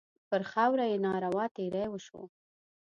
پر خاوره یې ناروا تېری وشو.